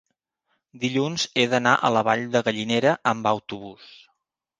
Dilluns he d'anar a la Vall de Gallinera amb autobús.